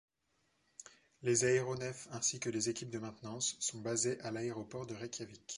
Les aéronefs, ainsi que les équipes de maintenance, sont basés à l'aéroport de Reykjavik.